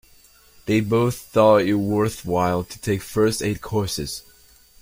They both thought it worthwhile to take first aid courses.